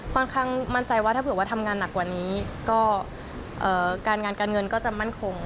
ค่อนข้างมั่นใจว่าถ้าเผื่อว่าทำงานหนักกว่านี้ก็การงานการเงินก็จะมั่นคง